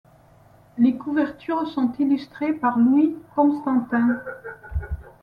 Les couvertures sont illustrées par Louis Constantin.